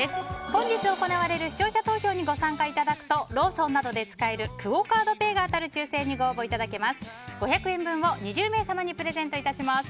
本日行われる視聴者投票にご参加いただくとローソンなどで使えるクオ・カードペイが当たる抽選にご応募いただけます。